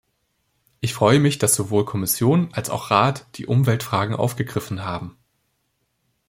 Ich freue mich, dass sowohl Kommission als auch Rat die Umweltfragen aufgegriffen haben.